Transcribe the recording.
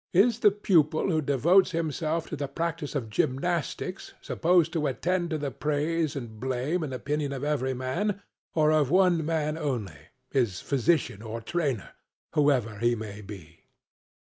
Is the pupil who devotes himself to the practice of gymnastics supposed to attend to the praise and blame and opinion of every man, or of one man only his physician or trainer, whoever he may be?